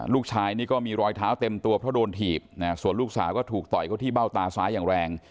ลูกชายนี่ก็มีรอยเท้าเต็มตัวเพราะโดนถีบส่วนลูกสาวก็ถูกต่อยเขาที่เบ้าตาซ้ายอย่างแรง